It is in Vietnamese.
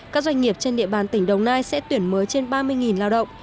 các doanh nghiệp trên địa bàn tỉnh đồng nai sẽ tuyển mới trên ba mươi lao động